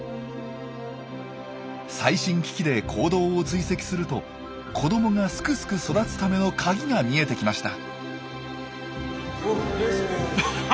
最新機器で行動を追跡すると子どもがすくすく育つためのカギが見えてきました。